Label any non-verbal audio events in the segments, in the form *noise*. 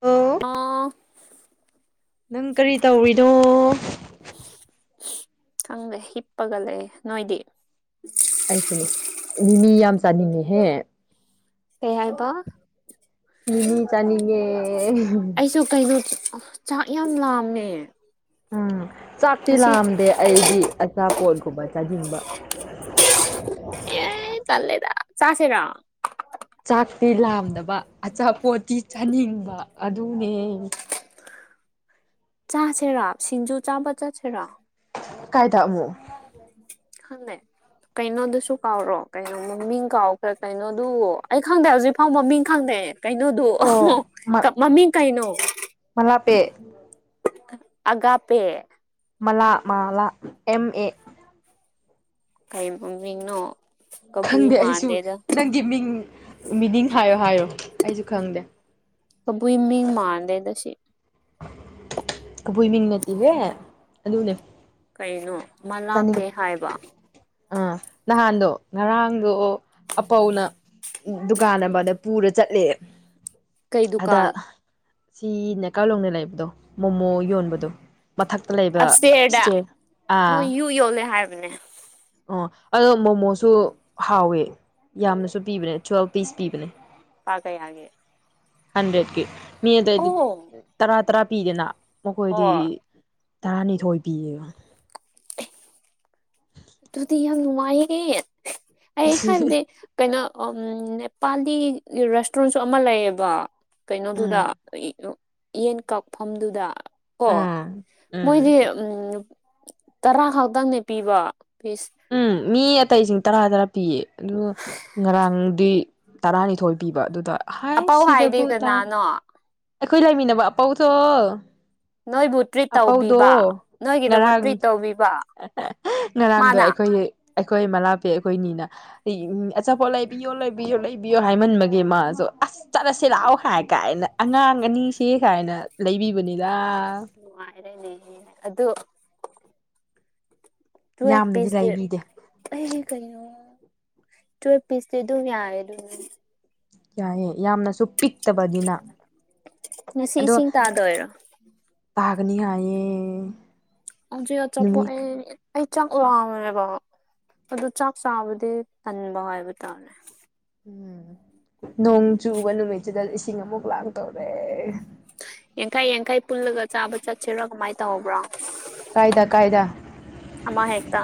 ꯑꯣ ꯑ‌‌ꯣ ꯅꯪ ꯀꯔꯤ ꯇꯧꯔꯤꯅꯣ ꯈꯪꯗꯦ ꯍꯤꯞꯄꯒ ꯂꯩ ꯅꯣꯏꯗꯤ ꯑꯩꯁꯨꯅꯦ ꯃꯤ ꯃꯤ ꯌꯥꯝ ꯆꯥꯅꯤꯡꯉꯦꯍꯦ ꯀꯩ ꯍꯥꯏꯕ ꯃꯤꯃꯤ ꯆꯥꯅꯤꯡꯉꯦ ꯑꯩꯁꯨ ꯀꯩꯅꯣ ꯆꯥꯛ ꯌꯥꯝ ꯂꯥꯝꯃꯦ ꯎꯝ ꯆꯥꯛꯇꯤ ꯉꯁꯤ ꯂꯥꯝꯗꯦ ꯑꯩꯗꯤ ꯑꯆꯥꯄꯣꯠꯒꯨꯝꯕ ꯆꯥꯖꯅꯤꯡꯕ ꯆꯠꯂꯦꯗ ꯆꯁꯤꯔ ꯆꯥꯛꯇꯤ ꯂꯥꯝꯗꯕ ꯑꯆꯥꯄꯣꯠꯇꯤ ꯆꯥꯅꯤꯡꯕ ꯑꯗꯨꯅꯦ ꯆꯥꯁꯦꯔꯥ ꯁꯤꯡꯖꯨ ꯆꯥꯕ ꯆꯠꯁꯤꯔꯥ ꯀꯥꯏꯗꯃꯨ ꯈꯪꯉꯦ ꯀꯩꯅꯣꯗꯨꯁꯨ ꯀꯥꯎꯔꯣ ꯀꯩꯅꯣ ꯃꯃꯤꯡ ꯀꯥꯎꯈ꯭ꯔ ꯀꯩꯅꯣꯗꯨ ꯑꯩ ꯈꯪꯗꯦ ꯍꯧꯖꯤꯛ ꯐꯥꯎ ꯃꯃꯤꯡ ꯈꯪꯗꯦ ꯀꯩꯅꯣꯗꯣ ꯑꯃ ꯑꯣ ꯃ ꯃꯃꯤꯡ ꯀꯩꯅꯣ ꯃꯂꯥꯄꯦ ꯑꯒꯥꯞ ꯄꯦ ꯃꯂꯥ ꯃꯥꯂꯥ ꯑꯦꯝ ꯑꯦ ꯀꯩꯕ ꯃꯤꯅꯣ ꯈꯪꯗꯦ ꯑꯩꯁꯨ ꯅꯪꯒꯤ ꯃꯤꯡ ꯃꯤꯅꯤꯡ ꯍꯥꯏꯌꯣ ꯍꯥꯏꯌꯣ ꯑꯩꯁꯨ ꯈꯪꯗꯦ ꯀꯕꯨꯏ ꯃꯤꯡ ꯃꯥꯟꯗꯦꯗ ꯁꯤ ꯕꯨꯣꯏꯃꯤꯡ ꯅꯠꯇꯒꯦ ꯑꯗꯨꯅꯦ ꯀꯩꯅꯣ ꯃꯂꯥꯞꯄꯦ ꯆꯥꯅꯤꯡꯉꯤ ꯍꯥꯏꯕ ꯑꯥ ꯅꯍꯥꯟꯗꯣ ꯉꯔꯥꯡꯗꯣ ꯑꯄꯧꯅ ꯎ ꯗꯨꯀꯥꯟ ꯑꯃꯗ ꯄꯨꯔ ꯆꯠꯂꯦ ꯀꯩ ꯑꯗ ꯗꯨꯀꯥꯟ ꯁꯤ ꯅꯥꯀꯥꯂꯣꯡꯗ ꯂꯩꯕꯗꯣ ꯃꯣꯃꯣ ꯌꯣꯟꯕꯗꯣ ꯃꯊꯛꯇ ꯂꯩꯕ ꯏꯁꯇꯦꯔ ꯑ ꯀꯨ ꯌꯣꯜꯂꯦ ꯍꯥꯏꯕꯅꯦ꯫ ꯑꯣ ꯑꯗꯣ ꯃꯣꯃꯣꯁꯨ ꯍꯥꯎꯋꯦ꯫ ꯌꯥꯝꯅꯁꯨ ꯄꯤꯕꯅꯦ ꯇꯨꯋꯦꯜꯕ ꯄꯤꯁ ꯄꯤꯕꯅꯦ꯫ ꯊꯥ ꯀꯌꯥꯒꯤ ꯍꯟꯗ꯭ꯔꯦꯠꯀꯤ ꯃꯤ ꯑꯇꯩꯏꯗꯤ ꯑꯣ ꯇꯔꯥ ꯇꯔꯥ ꯄꯤꯗꯅ ꯃꯈꯣꯏꯗꯤ ꯍꯣꯏ ꯇꯔꯥꯅꯤꯊꯣꯏ ꯄꯤꯌꯦ ꯑꯗꯨꯗꯤ ꯌꯥꯝ ꯅꯨꯡꯉꯥꯏꯌꯦ ꯑꯩ ꯍꯥꯏꯕꯗꯤ꯫ ꯀꯩꯅꯣ ꯅꯦꯄꯥꯂꯤ ꯔꯦꯁꯇꯨꯔꯦꯟꯁꯨ ꯑꯃ ꯂꯩꯌꯦꯕ꯫ ꯀꯩꯅꯣꯗꯨꯗ ꯎꯝ ꯌꯦꯟ ꯀꯛꯐꯝꯗꯨꯗ ꯑꯣ ꯑꯥ ꯎꯝ ꯃꯣꯏꯗꯤ ꯇꯔꯥ ꯈꯛꯇꯪꯅꯦ ꯄꯤꯕ ꯄꯤꯁ ꯎꯝ ꯃꯤ ꯑꯇꯩꯁꯤꯡ ꯇꯔꯥ ꯇꯔꯥ ꯄꯤꯌꯦ ꯑꯗꯨꯒ ꯉꯔꯥꯡꯗꯤ ꯇꯔꯥꯅꯤꯊꯣꯏ ꯄꯤꯕ ꯑꯗꯨꯗ ꯍꯥꯏ ꯑꯄꯥꯎ ꯁꯤꯗꯕꯨ ꯍꯥꯏꯗꯤ ꯇꯔꯥ ꯀꯅꯥꯅꯣ ꯑꯩꯈꯣꯏ ꯂꯩꯃꯤꯟꯅꯕ ꯑꯄꯧꯗꯣ ꯅꯣꯏꯕꯨ ꯇ꯭ꯔꯤꯠ ꯑꯄꯧꯗꯣ ꯇꯧꯕꯤꯕ ꯅꯣꯏꯒꯤꯗꯃꯛ ꯉꯔꯥꯡ ꯇ꯭ꯔꯤꯠ ꯇꯧꯕꯤꯕ ꯉꯔꯥꯡꯗꯣ ꯃꯥꯅ ꯑꯩꯈꯣꯏꯒꯤ ꯑꯩꯈꯣꯏ ꯃꯅꯥꯛꯀꯤ ꯑꯩꯈꫭꯏ ꯃꯤꯅ ꯎꯝ ꯑꯆꯥꯄꯣꯠ ꯂꯩꯕꯤꯌꯣ ꯂꯩꯕꯤꯌꯣ ꯂꯩꯕꯤꯌꯣ ꯍꯥꯏꯃꯟꯕꯒꯤ ꯃꯥꯁꯨ ꯑꯁ ꯆꯠꯂꯁꯤ ꯂꯥꯛꯑꯣ ꯍꯥꯏ ꯀꯥꯏꯅ ꯑꯉꯥꯡ ꯑꯅꯤꯁꯦ ꯀꯥꯏꯅ ꯂꯩꯕꯤꯕꯅꯤꯗ꯫ ꯅꯨꯡꯉꯥꯏꯔꯦꯅꯦꯅꯦ ꯑꯗꯨ ꯇꯨꯋꯦꯜ ꯌꯥꯝꯅꯗꯤ ꯄꯤꯁꯇꯤ ꯂꯩꯕꯤꯗꯦ ꯑꯩ ꯀꯩꯅꯣ ꯇꯨꯋꯦꯜ ꯄꯤꯁꯇꯤ ꯑꯗꯨꯝ ꯌꯥꯔꯦ ꯑꯗꯨꯝ ꯌꯥꯏꯑꯦ ꯌꯥꯝꯅꯁꯨ ꯄꯤꯛꯇꯕꯅꯤꯅ ꯉꯁꯤ ꯑꯗꯣ ꯏꯁꯤꯡ ꯇꯥꯗꯣꯏꯔꯣ ꯇꯥꯒꯅꯤ ꯍꯥꯏꯌꯦ꯫ ꯍꯧꯖꯤꯛ ꯑꯆꯥꯄꫭꯠ ꯅꯨꯃꯤꯠ ꯑꯩ ꯑꯩ ꯆꯥꯛ ꯂꯥꯝꯃꯦꯕ ꯑꯗꯨ ꯆꯥꯛ ꯆꯥꯕꯗꯤ ꯇꯟꯕ ꯍꯥꯏꯕ ꯇꯥꯔꯦ꯫ ꯎꯝ ꯅꯣꯡ ꯆꯨꯕ ꯅꯨꯃꯤꯠꯁꯤꯗ ꯏꯁꯤꯡ ꯑꯃꯨꯛ ꯂꯥꯛ ꯇꯧꯔꯦ꯫ ꯌꯥꯡꯈꯩ ꯌꯥꯡꯈꯩ ꯄꯨꯜꯂꯒ ꯆꯥꯕ ꯆꯠꯁꯤꯔꯣ ꯀꯃꯥꯏ ꯇꯧꯕ꯭ꯔꯣ꯫ ꯀꯥꯏꯗꯥ ꯀꯥꯏꯗꯥ ꯑꯃ ꯍꯦꯛꯇ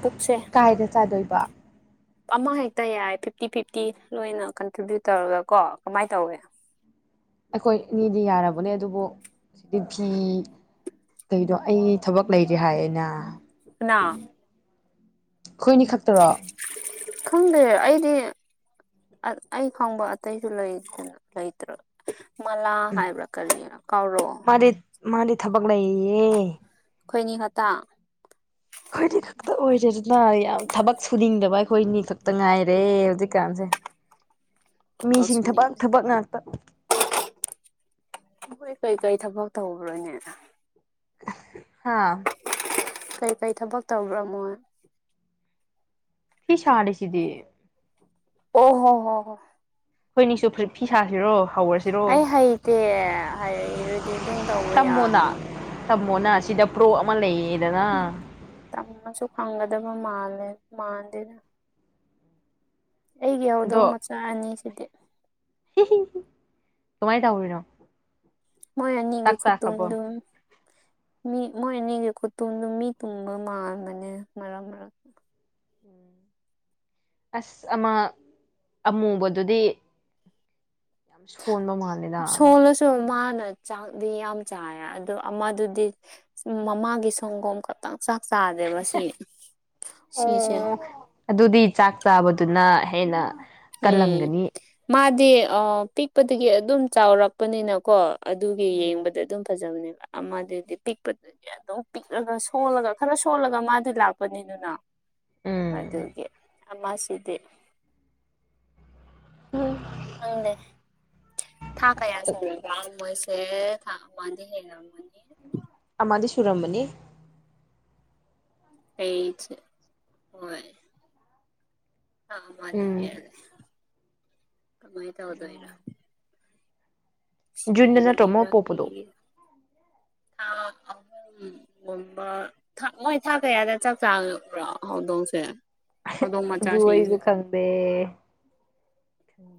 ꯄꯨꯛꯁꯦ ꯀꯥꯏꯗꯥ ꯆꯥꯗꯣꯏꯕ꯫ ꯑꯃꯍꯦꯛꯇ ꯌꯥꯏ ꯐꯤꯐꯇꯤ ꯐꯤꯐꯇꯤ ꯂꯣꯏꯅ ꯀꯟꯇ꯭ꯔꯤꯕ꯭ꯌꯨꯠ ꯇꯧꯔꯒ ꯀꯣ ꯀꯃꯥꯏꯅ ꯇꯧꯋꯦ꯫ ꯑꯩꯈꯣꯏ ꯑꯅꯤꯗꯤ ꯌꯥꯔꯕꯅꯦ ꯑꯗꯨꯕꯨ *unintelligible* ꯐꯤ ꯇꯧꯔꯤꯗꯣ ꯑꯩ ꯊꯕꯛ ꯂꯩꯇꯦ ꯍꯥꯏꯌꯦꯅ ꯀꯅꯥ ꯑꯩꯈꯣꯏꯅꯤ ꯈꯠ ꯇ꯭ꯔꯣ꯫ ꯈꯪꯗꯦ ꯑꯩꯗꯤ ꯑꯩ ꯈꯪꯕ ꯑꯇꯩꯁꯨ ꯂꯩꯇꯅ ꯂꯩꯇ꯭ꯔ꯫ ꯃꯂꯥ ꯍꯥꯏꯕ꯭ꯔꯥ ꯀꯔꯤꯅ ꯀꯧꯔꯛꯑꯦ꯫ ꯃꯥꯗꯤ ꯃꯥꯗꯤ ꯊꯕꯛ ꯂꯩꯌꯦ꯫ ꯈꯣꯏꯅꯤ ꯈꯛꯇꯥ ꯈꯣꯏꯅꯤ ꯈꯛ ꯈꯛꯇ ꯑꯣꯏꯔꯦꯗꯅ ꯌꯥꯝ ꯊꯕꯛ ꯁꯨꯅꯤꯡꯗꯕ ꯑꯩꯈꯣꯏꯅꯤ ꯈꯛꯇ ꯉꯥꯏꯔꯦ ꯍꯧꯖꯤꯛꯀꯥꯟꯁꯦ꯫ ꯃꯤꯁꯤꯡ ꯊꯕꯛ ꯊꯕꯛ ꯉꯥꯛꯇ ꯃꯈꯣꯏ ꯀꯩꯀꯩ ꯊꯕꯛ ꯇꯧꯈ꯭ꯔꯣꯅꯦ꯫ ꯍꯥꯥ ꯀꯩꯀꯩ ꯊꯕꯛ ꯇꯧꯈ꯭ꯔꯃꯣꯏ꯫ ꯐꯤ ꯁꯥꯔꯤ ꯁꯤꯗꯤ꯫ ꯑꯣ ꯍꯣ ꯍꯣ ꯍꯣ ꯑꯩꯈꯣꯏꯅꯤꯁꯨ ꯐꯨꯔꯤꯠ ꯐꯤ ꯁꯥꯁꯤꯔꯣ꯫ ꯍꯧꯔꯁꯤꯔꯣ ꯑꯩ ꯍꯩꯇꯦ ꯍꯩꯔꯗꯤ ꯑꯗꯨꯝ ꯇꯧꯕ ꯇꯝꯃꯣꯅ ꯌꯥꯕꯅꯦ꯫ ꯇꯝꯃꯣꯅ ꯁꯤꯗ ꯄ꯭ꯔꯣ ꯑꯃ ꯂꯩꯌꯦꯗꯅ ꯇꯝꯃꯁꯨ ꯐꯪꯒꯗꯕ ꯃꯥꯜꯂꯦ ꯃꯥꯥꯟꯗꯦꯗ꯫ ꯑꯩꯒꯤ ꯍꯧꯗꫭꯡ ꯃꯆꯥ ꯑꯅꯤ ꯁꯤꯗꯤ ꯀꯨꯃꯥꯏ ꯇꯧꯔꯤꯅꯣ ꯃꯣꯏ ꯑꯅꯤꯒꯤ ꯆꯥꯛ ꯆꯥꯈ꯭ꯔꯕꯣ ꯈꯨꯇꯨꯝꯗꯨ ꯃꯤ ꯃꯣꯏ ꯑꯅꯤꯒꯤ ꯈꯨꯇꯨꯝꯗꯨ ꯃꯤ ꯇꯨꯝꯕ ꯃꯥꯟꯕꯅꯦ ꯃꯔꯛ ꯃꯔꯛꯇ ꯎꯝ ꯑꯁ ꯑꯃ ꯑꯃꯨꯕꯗꯨꯗꯤ ꯌꯥꯝ ꯁꯣꯟꯕ ꯃꯥꯜꯂꯦ ꯁꯣꯜꯂꯁꯨ ꯃꯥꯅ ꯆꯥꯛꯗꯤ ꯌꯥꯝ ꯆꯥꯏꯌꯦ ꯑꯗꯣ ꯑꯃꯗꯨꯗꯤ ꯃꯃꯥꯒꯤ ꯁꯪꯒꯣꯝ ꯈꯛꯇꯪ ꯆꯥꯛ ꯆꯥꯗꯦꯕ ꯁꯤ ꯁꯤꯁꯦ ꯑꯣ ꯑꯗꯨꯗꯤ ꯆꯥꯛ ꯆꯥꯕꯗꯨꯅ ꯍꯦꯟꯅ ꯎꯝ ꯀꯜꯂꯝꯒꯅꯤ ꯃꯥꯗꯤ ꯑ ꯄꯤꯛꯄꯗꯒꯤ ꯑꯗꯨꯝ ꯆꯥꯎꯔꯛꯄꯅꯤꯅꯀꯣ ꯑꯗꯨꯒꯤ ꯎꯝ ꯌꯦꯡꯕꯗ ꯑꯗꯨꯝ ꯐꯖꯕꯅꯦꯕ ꯑꯃꯗꯤꯗꯤ ꯄꯤꯛꯄꯗ ꯑꯗꯨꯝ ꯄꯤꯛꯂꯒ ꯁꯣꯜꯂꯒ ꯈꯔ ꯁꯣꯜꯂꯒ ꯃꯥꯗꯤ ꯂꯥꯛꯄꯅꯤꯗꯅ ꯑꯗꯨꯒꯤ ꯑꯃꯁꯤꯗ ꯎꯝ ꯈꯪꯗꯦ ꯊꯥ ꯀꯌꯥ ꯁꯨꯔꯒꯦ ꯃꯣꯏꯁꯦ ꯊꯥꯑꯃꯗꯤ ꯍꯦꯜꯂꯝꯃꯅꯤ ꯑꯃꯗꯤ ꯁꯨꯔꯝꯃꯅꯤ ꯍꯩꯖꯦ ꯍꯣꯏ ꯑ ꯃꯥꯅꯤꯅꯦ ꯎꯝ ꯀꯃꯥꯏ ꯇꯧꯗꫭꯏꯅꫭ ꯖꯨꯟꯗ ꯅꯠꯇ꯭ꯔꯣ ꯃꯥ ꯁꯤꯔꯅꯤꯔ ꯐ ꯄꯣꯛꯄꯗꯣ *unintelligible* ꯎꯝ ꯉꯨꯝꯕ ꯊꯥ ꯃꯣꯏ ꯊꯥꯛ ꯀꯌꯥꯗ ꯆꯥꯛ ꯆꯥꯒꯦ ꯈꯪꯕꯔ ꯍꯧꯗꯣꯡꯁꯦ ꯍꯧꯗꯣꯡ ꯑꯗꯨ ꯃꯆꯥꯁꯤꯡꯁꯦ ꯑꯩꯖꯨ ꯈꯪꯗꯦ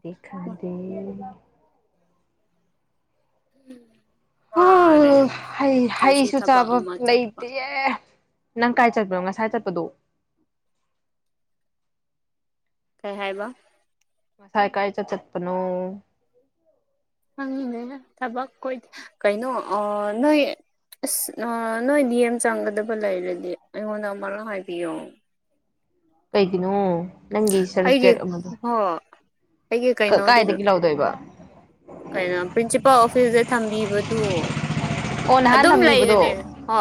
ꯑꯩ ꯈꯪꯗꯦ ꯎꯝ ꯍ ꯍꯩ ꯍꯩꯁꯨ ꯊꯕꯛ ꯆꯥꯕ ꯑꯃ ꯆꯠꯄ ꯂꯩꯇꯤꯌꯦ ꯅꯪ ꯀꯥꯏ ꯆꯠꯄꯅꯣ ꯉꯁꯥꯏ ꯆꯠꯄꯗꯣ ꯀꯩ ꯍꯥꯏꯕ ꯉꯁꯥꯏ ꯀꯥꯏꯗ ꯆꯠꯄꯅꯣ ꯈꯪꯗꯦꯅꯦ ꯊꯕꯛ ꯈꫭꯏ ꯀꯩꯅꯣ ꯅꯣꯏ ꯑꯁ ꯅꯣꯏ ꯕꯤꯌꯦꯝ ꯆꯪꯒꯗꯕ ꯂꯩꯔꯗꯤ ꯑꯩꯉꯣꯟꯗ ꯑꯃꯨꯔꯛ ꯍꯥꯏꯕꯤꯌꯣ ꯀꯩꯒꯤꯅꯣ ꯅꯪꯒꯤ ꯑꯩꯒꯤ ꯁꯔꯇꯐꯤꯀꯦꯠ ꯑꯃꯗꯣ ꯍꯣ ꯑꯩꯒꯤ ꯀ ꯀꯩꯅꯣꯗꯨꯗ ꯀꯥꯏꯗꯒꯤ ꯂꯧꯗꯣꯏꯕ ꯀꯩꯅꯣ ꯄ꯭ꯔꯤꯟꯁꯤꯄꯥꯜ ꯑꯣꯐꯤꯁꯇ ꯊꯝꯕꯤꯕꯗꯨ ꯑꯣ ꯅꯍꯥꯟ ꯑꯗꯨꯝ ꯂꯩꯕꯅꯦ ꯊꯝꯕꯤꯕꯗꯣ ꯍꯥ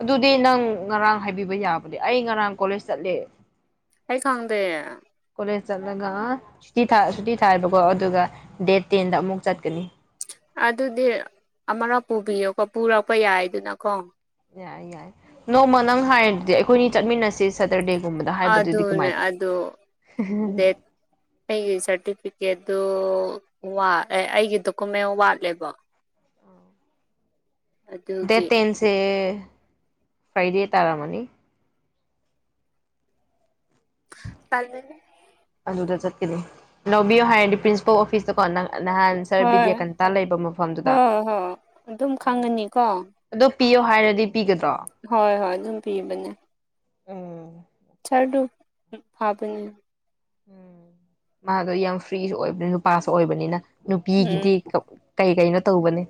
ꯑꯗꯨꯗꯤ ꯅꯪ ꯉꯔꯥꯡ ꯍꯥꯏꯕꯤꯕ ꯌꯥꯕꯅꯦ ꯑꯩ ꯉꯔꯥꯡ ꯀꯣꯂꯦꯖ ꯆꯠꯂꯦ ꯑꯩ ꯈꯪꯗꯦ ꯀꯣꯂꯦꯖ ꯆꯠꯂꯒ ꯁꯨꯇꯤ ꯁꯨꯇꯤ ꯊꯥꯏꯕꯀꯣ ꯑꯗꯨꯒ ꯗꯦꯠ ꯇꯦꯟꯗ ꯑꯃꯨꯛ ꯆꯠꯀꯅꯤ ꯑꯗꯨꯗꯤ ꯑꯃꯔ ꯄꯨꯕꯤꯌꯣꯀꯣ ꯄꯨꯔꯛꯄ ꯌꯥꯏꯗꯅꯀꯣ ꯌꯥꯏ ꯌꯥꯏ ꯅꯣꯡꯃ ꯅꯪ ꯍꯥꯏꯔꯗꯨꯗꯤ ꯑꯩꯈꯣꯏꯅꯤ ꯆꯠꯃꯤꯟꯅꯁꯤ ꯁꯦꯇꯔꯗꯦꯒꯨꯝꯕꯗ ꯍꯥꯏꯕꯗꯨꯗꯤ ꯀꯃꯥꯏ ꯑꯗꯨꯅꯦ ꯑꯗꯨ ꯗꯦꯠ ꯑꯩꯒꯤ ꯁꯥꯔꯇꯤꯐꯤꯀꯦꯠꯇꯣꯠ ꯑꯩꯒꯤ ꯗꯣꯀꯨꯃꯦꯟ ꯋꯥꯠꯂꯦꯕꯣ ꯗꯦꯠ ꯑꯗꯨꯒꯤ ꯇꯦꯟꯁꯦ ꯐ꯭ꯔꯥꯏꯗꯦ ꯇꯥꯔꯝꯃꯅꯤ ꯇꯜꯂꯤꯅꯦ꯫ ꯑꯗꯨꯗ ꯆꯠꯀꯅꯤ ꯂꯧꯕꯤꯌꯣ ꯍꯥꯏꯔꯗꯤ ꯄ꯭ꯔꯤꯟꯁꯤꯄꯥꯜ ꯑꯣꯐꯤꯁꯇꯀꯣ ꯅꯪ ꯅꯍꯥꯟ ꯁꯥꯔ ꯍꯣꯏ ꯕꯤꯗ꯭ꯦꯀꯟꯇꯥ ꯂꯩꯕ ꯃꯐꯝꯗꯨꯗ ꯍꯣꯏ ꯍꯣꯏ ꯑꯗꯨꯝ ꯎ ꯈꯪꯒꯅꯤꯀꯣ ꯑꯗꯨ ꯄꯤꯌꯣ ꯍꯥꯏꯔꯗꯤ ꯄꯤꯒꯗ꯭ꯔꯣ ꯍꯣꯏ ꯍꯣꯏ ꯑꯗꯨꯝ ꯄꯤꯕꯅꯦ ꯎꯝ ꯁꯥꯔꯗꯨ ꯐꯕꯅꯤ ꯎꯝ ꯃꯥꯗꯣ ꯌꯥꯝ ꯐ꯭ꯔꯤꯁꯨ ꯑꯣꯏꯕꯅꯤ ꯅꯨꯄꯥꯁꯨ ꯑꯣꯏꯕꯅꯤꯅ ꯎꯝ ꯅꯨꯄꯤꯒꯤꯗꯤ ꯀꯩ ꯀꯩꯅꯣ ꯇꯧꯕꯅꯦ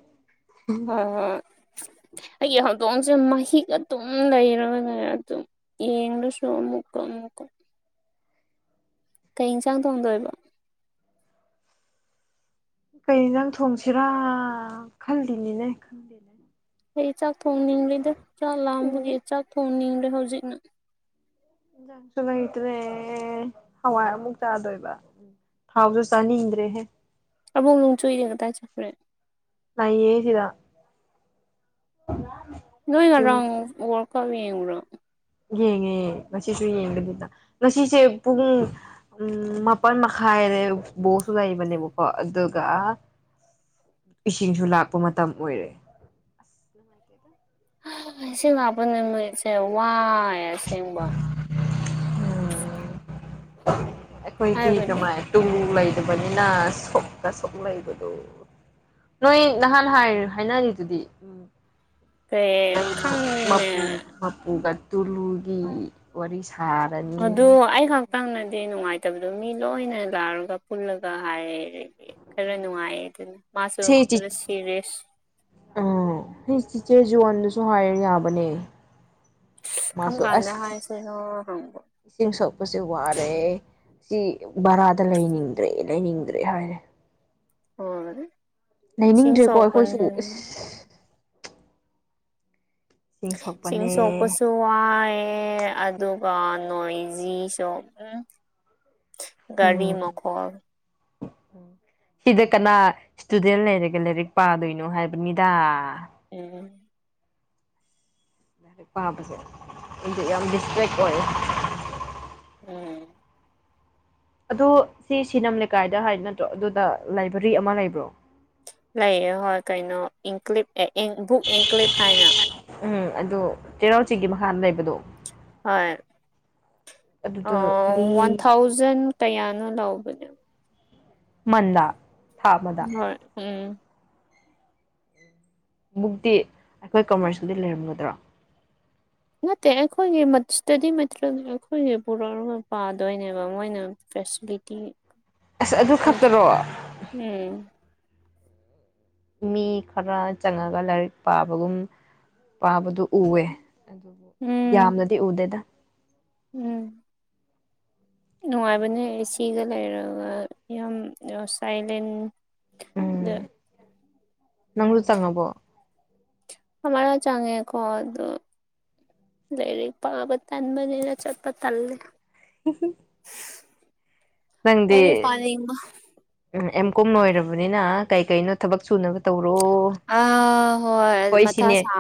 ꯍꯣꯏ ꯍꯣꯏ ꯑꯩꯒꯤ ꯍꯧꯗꯣꯡꯁꯦ ꯃꯍꯤꯛ ꯑꯗꯨꯝ ꯂꯩꯔꯒꯅꯦ ꯑꯗꯨꯝ ꯌꯦꯡꯔꯁꯨ ꯑꯃꯨꯛꯀꯥ ꯑꯃꯨꯛꯀꯥ ꯀꯩ ꯌꯦꯟꯁꯥꯡ ꯊꯣꯡꯗꯣꯏꯕꯣ ꯀꯩ ꯏꯟꯁꯡ ꯊꯣꯡꯁꯤꯔꯥ ꯈꯜꯂꯤꯅꯤꯅꯦ *unintelligible* ꯑꯩ ꯆꯥꯛ ꯊꯣꯡꯅꯤꯡꯗꯦꯗ ꯆꯥꯛ ꯂꯥꯝꯕꯒꯤ ꯆꯥꯛ ꯊꯣꯡꯅꯤꯡꯗ꯭ꯔꯦ ꯍꯧꯖꯤꯛꯅ ꯌꯦꯟꯖꯥꯡꯁꯨ ꯂꯩꯇ꯭ꯔꯦ ꯍꯋꯥꯏ ꯑꯃꯨꯛ ꯆꯥꯗꯣꯏꯕ ꯊꯥꯎꯁꯨ ꯆꯥꯅꯤꯡꯗ꯭ꯔꯦꯍꯦ ꯑꯕꯨꯡ ꯂꯣꯡꯆꯨꯏꯅ ꯀꯗꯥꯥꯏ ꯆꯠꯈ꯭ꯔꯦ ꯂꯩꯌꯦ ꯁꯤꯗ *unintelligible* ꯅꯣꯏ ꯌꯨꯝ ꯉꯔꯥꯥꯡ ‌ꯋ꯭ꯔꯥꯜꯀꯞ ꯌꯦꯡꯕ꯭ꯔꯣ ꯌꯦꯡꯉꯦ ꯉꯁꯤꯁꯨ ꯌꯦꯡꯒꯅꯤꯗ ꯉꯁꯤꯁꯦ ꯄꯨꯡ ꯎꯝ ꯃꯥꯄꯜ ꯃꯈꯥꯏꯗ ꯕꯣꯜꯁꯨ ꯂꯩꯕꯅꯦꯕꯀꯣ ꯑꯗꯨꯒ ꯏꯁꯤꯡꯁꯨ ꯂꯥꯛꯄ ꯃꯇꯝ ꯑꯣꯏꯔꯦ *inaudible* *unintelligible* ꯏꯁꯤꯡ ꯂꯥꯛꯄ ꯅꯨꯃꯤꯠꯁꯦ ꯋꯥꯏ ꯑꯁꯦꯡꯕ *unintelligible* ꯑꯩꯈꯣꯏꯗꯤ ꯍꯥꯏꯕꯗꯤ ꯀꯃꯥꯏꯅ ꯇꯨ ꯂꯩꯗꯕꯅꯤꯅ ꯁꯣꯛꯀ ꯁꯣꯛ ꯂꯩꯕꯗꯣ ꯅꯣꯏ ꯅꯍꯥꯟ ꯍꯥꯏ ꯍꯥꯏꯅꯒ꯭ꯔꯤꯗꯨꯗꯤ ꯎꯝ *unintelligible* ꯀꯩꯅꯣ ꯈꯪꯗꯦꯅꯦ *unintelligible* *unintelligible* ꯑꯗꯨ ꯑꯩ ꯈꯛꯇꯪꯅꯗꯤ ꯅꯨꯡꯉꯥꯏꯇꯕꯗꯣ ꯃꯤ ꯂꯣꯏꯅ ꯂꯥꯛꯔꯒ ꯄꯨꯜꯂꯒ ꯍꯥꯏꯔꯦꯗꯤ ꯈꯔ ꯅꯨꯡꯉꯥꯏꯌꯦꯗꯅ ꯃꯥꯁꯨ ꯁꯤ ꯆꯤ ꯄꯨꯂ ꯁꯤꯔ꯭ꯌꯦꯁ ꯑꯩ ꯆꯤꯆꯦ ꯖꯣꯟꯗꯁꯨ ꯍꯥꯏꯔ ꯌꯥꯕꯅꯦ ꯀꯝ ꯃꯥꯁꯨ ꯀꯥꯟꯗ ꯑꯁ ꯍꯥꯏꯁꯦꯅꯣ ꯍꯪꯕ ꯏꯁꯤꯡ ꯁꯣꯛꯄꯁꯦ ꯋꯥꯔꯦ ꯁꯤ ꯕꯔꯥꯗ ꯂꯩꯅꯤꯡꯗ꯭ꯔꯦ ꯂꯩꯅꯤꯡꯗ꯭ꯔꯦ ꯍꯥꯏꯔꯦ ꯍꯣꯏ ꯏꯁꯤꯡ ꯂꯩꯅꯤꯡꯗ꯭ꯔꯦꯀꯣ ꯑꯩꯈꯣꯏꯁꯨ ꯁꯣꯛꯄꯅꯦ ꯏꯁꯤꯡ ꯁꯣꯛꯄꯁꯨ ꯋꯥꯏꯑꯦ ꯑꯗꯨꯒ ꯅꯣꯏꯖꯤꯁꯨ ꯎꯝ ꯒꯥꯔꯤ ꯎꯝ ꯃꯈꯣꯜ *unintelligible* ꯁꯤꯗ ꯀꯅꯥ ꯁ꯭ꯇꯨꯗꯦꯟ ꯂꯩꯔꯒ ꯂꯥꯏꯔꯤꯛ ꯄꯥꯗꯣꯏꯅꯣ ꯍꯥꯏꯕꯅꯤꯗ ꯎꯝ *unintelligible* ꯄꯥꯕꯁꯦ ꯈꯪꯗꯦ ꯌꯥꯝ ꯗꯤꯁꯇ꯭ꯔꯦꯛ ꯑꯣꯏꯔꯦ ꯎꯝ ꯑꯗꯨ ꯁꯤ ꯁꯤꯅꯝ ꯂꯩꯀꯥꯏꯗ ꯍꯥꯏ ꯅꯠꯇ꯭ꯔꯣ ꯑꯗꯨꯗ ꯂꯥꯏꯕ꯭ꯔꯦꯔꯤ ꯑꯃ ꯂꯩꯕ꯭ꯔꯣ ꯂꯩꯑꯦ ꯍꯣꯏ ꯀꯩꯅꯣ ꯏꯟꯀ꯭ꯂꯤꯞ ꯑꯦ ꯕꯨꯛ ꯏꯟꯀ꯭ꯂꯤꯞ ꯍꯥꯏꯅ ꯎꯝ ꯑꯗꯨ ꯆꯩꯔꯥꯎ ꯆꯤꯡꯒꯤ ꯃꯈꯥꯗ ꯂꯩꯕꯗꯣ ꯍꯣꯏ ꯑ ꯑꯗꯨꯗꯣ ꯃꯤ ꯋꯥꯟ ꯊꯥꯎꯖꯟ ꯀꯌꯥꯅꯣ ꯂꯧꯕꯅꯦ *unintelligible* ꯑꯃꯗ ꯍꯣꯏ ꯎꯝ ꯕꯨꯛꯇꯤ ꯑꯩꯈꯣꯏ ꯀꯃꯔꯁꯒꯤꯗꯤ ꯂꯩꯔꯝꯒꯗ꯭ꯔꯣ ꯅꯠꯇꯦ ꯑꯩꯈꯣꯏꯒꯤ *unintelligible* *unintelligible* ꯑꯩꯈꯣꯏꯒꯤ ꯄꯨꯔꯛꯑꯒ ꯄꯥꯗꯣꯏꯅꯦꯕ ꯃꯣꯏꯅ ꯐꯦꯁꯤꯂꯤꯇꯤ ꯑꯁ ꯑꯗꯨ ꯑꯁ ꯈꯛꯇꯔꯣ ꯎꯝ ꯃꯤ ꯈꯔ ꯆꯪꯉꯒ ꯂꯥꯏꯔꯤꯛ ꯄꯥꯕꯒꯨꯝ ꯄꯥꯕꯗꯨ ꯎꯋꯦ ꯑꯗꯨꯕꯨ ꯎꯝ ꯌꯥꯝꯅꯗꯤ ꯎꯗꯦꯗ ꯎꯝ ꯌꯥꯝꯅ ꯅꯨꯡꯉꯥꯏꯕꯅꯦ ꯐꯥ ꯔꯤꯁꯤꯒ ꯂꯩꯔꯒ ꯌꯥꯝꯅ ꯁꯥꯏꯂꯦꯟ ꯗ ꯎꯝ ꯅꯪꯁꯨ ꯆꯪꯉꯕꯣ *unintelligible* ꯂꯩꯔꯤꯛ ꯄꯕ ꯇꯟꯕꯒꯤꯔꯥ ꯆꯠꯄ ꯇꯜꯂꯤ꯫ *unintelligible* ꯅꯪꯗꯤ ꯂꯥꯏꯔꯤꯛ ꯄꯥꯅꯤꯡꯕ ꯎꯝ ꯑꯦꯝ ꯀꯣꯝ ꯂꯣꯏꯔꯕꯅꯤꯅ ꯀꯩ-ꯀꯩꯅꯣ ꯊꯕꯛ ꯁꯨꯅꯕ ꯇꯧꯔꯣ꯫ ꯑ ꯍꯣꯏ ꯑꯩꯈꯣꯏ ꯃꯊꯥ ꯁꯤꯅꯦ ꯁ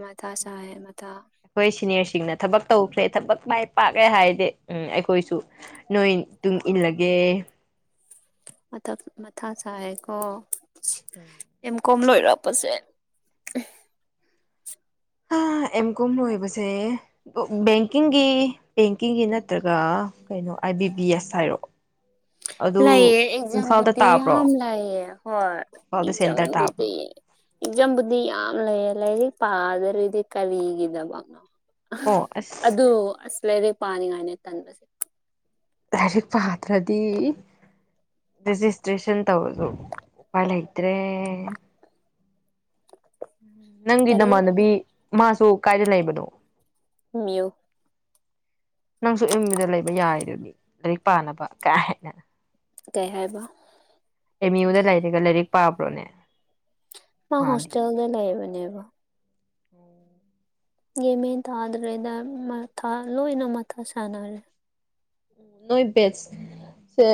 ꯃꯊꯥ ꯁꯥꯏ ꯃꯊꯥ꯫ ꯑꯩꯈꯣꯏ ꯁꯤꯅꯤꯌꯔꯁꯤꯡꯅ ꯊꯕꯛ ꯇꯧꯈ꯭ꯔꯦ ꯊꯕꯛ ꯃꯥꯏ ꯄꯥꯛꯌꯦ ꯍꯥꯏꯔꯗꯤ ꯎꯝ ꯑꯩꯈꯣꯏꯁꯨ ꯅꯣꯏ ꯇꯨꯡ ꯏꯜꯂꯒꯦ꯫ ꯃꯊꯛꯏꯃꯊꯥ ꯁꯥꯏꯌꯦꯀꯣ ꯑꯦꯝ ꯀꯣꯝ ꯂꯣꯏꯔꯛꯄꯁꯦ꯫ ꯍꯥꯥ ꯑꯦꯝ ꯀꯣꯝ ꯂꯣꯏꯕꯁꯦ꯫ ꯕꯦꯡꯀꯤꯡꯒꯤ ꯕꯦꯡꯀꯤꯡꯒꯤ ꯅꯠꯇ꯭ꯔꯒ ꯀꯩꯅꯣ ꯑꯏ ꯕꯤ ꯕꯤ ꯑꯦꯁ ꯍꯥꯏꯔꯣ꯫ *inaudible* ꯂꯩꯌꯦ ꯏꯝꯐꯥꯜꯗ ꯑꯦꯛꯖꯥꯝꯕꯨꯗꯤ ꯇꯥꯕ꯭ꯔꯣ ꯌꯥꯝ ꯂꯩꯌꯦ ꯍꯣꯏ ꯏꯝꯐꯥꯜꯗ ꯁꯦꯟꯇꯔ ꯇꯥꯕ꯭ꯔꯣ ꯑꯦꯛꯖꯥꯝꯕꯨꯗꯤ꯫ ꯑꯦꯛꯖꯥꯝꯕꯨꯗꯤ ꯌꯥꯝ ꯂꯩꯌꯦ ꯂꯥꯏꯔꯤꯛ ꯄꯥꯗ꯭ꯔꯗꯤ ꯀꯔꯤꯒꯤꯗꯕꯅꯣ꯫ ꯑꯣ ꯑꯁ ꯑꯗꯨ ꯑꯁ ꯂꯥꯏꯔꯤꯛ ꯄꯥꯅꯤꯡꯉꯥꯏꯅꯦ ꯇꯟꯕꯁꯦ꯫ ꯂꯥꯏꯔꯤꯛ ꯄꯥꯗꯔꯥꯗꯤ ꯔꯦꯖꯤꯁꯇ꯭ꯔꯦꯁꯟ ꯇꯧꯔꯁꯨ ꯎꯄꯥꯏ ꯂꯩꯇ꯭ꯔꯦ ꯅꯪꯒꯤ ꯇꯜꯂꯦ ꯅꯃꯥꯟꯅꯕꯤ ꯇꯜꯂꯦ. ꯃꯥꯁꯨ ꯀꯥꯏꯗ ꯂꯩꯕꯅꯣ ꯃꯤꯌꯨ ꯅꯪꯁꯨ ꯑꯦꯝꯌꯨꯗ ꯂꯩꯕ ꯌꯥꯔꯤꯗꯨꯅꯤ ꯂꯥꯏꯔꯤꯛ ꯄꯥꯅꯕ ꯀꯥ ꯍꯥꯟꯅ ꯀꯩ ꯍꯥꯏꯕ ꯑꯦꯝ ꯌꯨꯗ ꯂꯩꯔꯒ ꯂꯥꯏꯔꯤꯛ ꯄꯥꯕ꯭ꯔꯣꯅꯦ ꯃꯥ ꯃꯥꯗꯤ ꯍꯣꯁꯇꯦꯜꯗ ꯂꯩꯕꯅꯦꯕ *inaudible* ꯒ꯭ꯌꯥꯟ ꯃꯦꯟ ꯇꯥꯗ꯭ꯔꯦꯗ ꯃꯊꯥ ꯂꯣꯏꯅ ꯃꯊꯥ ꯁꯥꯟꯅꯔꯦ ꯅꯣꯏ ꯕꯦꯠꯁ ꯁꯦ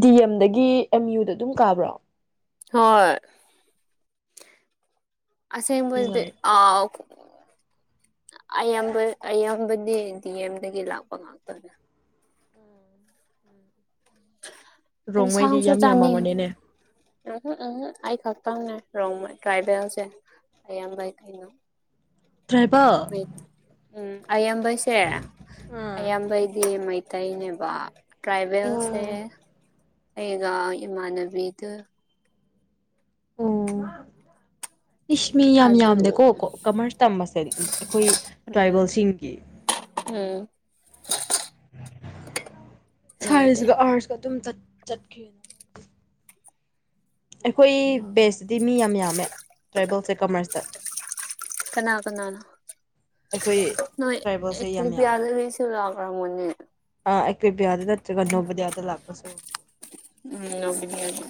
ꯗꯤ ꯑꯦꯝꯗꯒꯤ ꯑꯦꯝ ꯌꯨꯗ ꯑꯗꯨꯝ ꯀꯥꯕ꯭ꯔꯣ ꯍꯣꯏ ꯑꯁꯦꯡꯕ ꯗꯤ ꯅꯨꯡꯉꯥꯏ ꯑꯥꯎ ꯑꯌꯥꯝꯕ ꯑꯌꯥꯝꯕꯗꯤ ꯗꯤ ꯑꯦꯝꯗꯒꯤ ꯂꯥꯛꯄ ꯉꯥꯛꯇꯅꯦ ꯔꯣꯡꯃꯩꯗꯤ ꯏꯟꯁꯥꯡꯁꯨ ꯌꯥꯝ ꯆꯥꯅꯦ ꯌꯥꯝꯃꯝꯃꯅꯤꯅꯦ ꯎꯍꯨꯝ ꯎꯍꯨꯝ ꯑꯩꯈꯛꯇꯪꯅꯦ ꯔꯣꯡꯃꯩ ꯇ꯭ꯔꯥꯏꯕꯦꯜꯁꯦ ꯑꯌꯥꯝꯕ ꯀꯩꯅꯣ ꯇ꯭ꯔꯥꯏꯕꯦꯜ ꯃꯩ ꯎꯝ ꯑꯌꯥꯝꯕꯩꯁꯦ ꯑꯥ ꯑꯌꯥꯝꯕꯩꯗꯤ ꯃꯩꯏ ꯇꯩꯅꯦꯕ ꯇ꯭ꯔꯥꯏꯕꯦꯜꯁꯦ ꯑꯩꯒ ꯏꯃꯥꯟꯅꯕꯤꯗꯨ ꯎꯝ ꯏꯁ ꯃꯤ ꯌꯥꯝ ꯑꯗꯨ ꯌꯥꯝꯗꯦꯀꯣ ꯀꯣ ꯀꯃꯔꯁ ꯇꯝꯕꯁꯦ ꯑꯈꯣꯏ ꯎꯝ ꯇ꯭ꯔꯥꯏꯕꯦꯜꯁꯤꯡꯒꯤ ꯎꯝ ꯌꯥꯝꯗꯦ ꯁꯥꯏꯟꯁꯀ ꯑꯥꯔꯠꯁꯀ ꯑꯗꯨꯝ ꯆꯠ ꯆꯠꯈꯤ ꯑꯩꯈꯣꯏ ꯕꯦꯁꯇꯗꯤ ꯃꯤ ꯌꯥꯝ ꯌꯥꯝꯃꯦ ꯇ꯭ꯔꯥꯏꯕꯦꯜꯁꯦ ꯀꯃꯔꯁꯇ ꯀꯅꯥ ꯀꯅꯥꯅꯣ ꯑꯩꯈꯣꯏ ꯇ꯭ꯔꯥꯏꯕꯦꯜꯁꯦ ꯌꯥꯝ ꯌꯥꯝꯃꯦ ꯔꯥꯛꯔꯝꯒꯅꯤ ꯑ ꯑꯦꯀꯕꯌꯥꯗ ꯅꯠꯇ꯭ꯔꯒ ꯅꯣꯕꯣꯗꯤꯌꯥꯗ ꯂꯥꯛꯄꯁꯨ ꯎꯝ ꯅꯕꯣꯗꯤꯌꯥꯗ